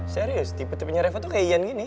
serius tipe tipenya reva tuh kayak iyan gini